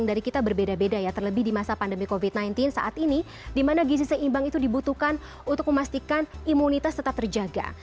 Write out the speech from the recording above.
karena dari kita berbeda beda ya terlebihlu di masa pandemi covid ocupan saat ini dimana gizi seimbang itu dibutuhkan untuk memastikan imunitas tetap terjaga